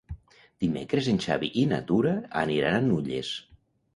Dimecres en Xavi i na Tura aniran a Nulles.